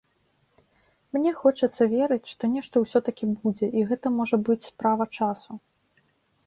Мне хочацца верыць, што нешта ўсё-такі будзе і гэта, можа быць, справа часу.